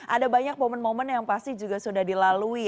ada banyak momen momen yang pasti juga sudah dilalui